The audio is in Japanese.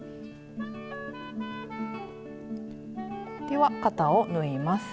では肩を縫います。